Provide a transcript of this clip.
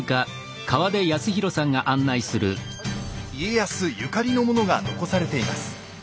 家康ゆかりのものが残されています。